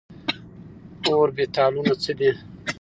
اوربيتالونه څه دي ؟